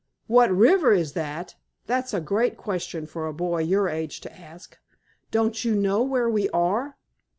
"What river is that? That's a great question for a boy your age to ask! Don't you know where we are?